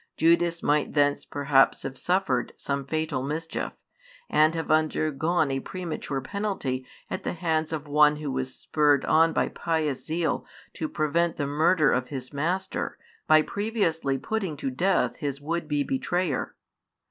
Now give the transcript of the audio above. Judas might thence perhaps have suffered some fatal mischief, and |181 have undergone a premature penalty at the hands of one who was spurred on by pious zeal to prevent the murder of his Master by previously putting to death His would be betrayer.